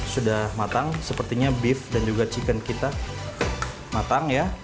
sudah matang sepertinya beef dan juga chicken kita matang ya